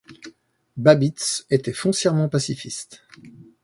Babits était foncièrement pacifiste.